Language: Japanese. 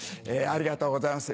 ありがとうございます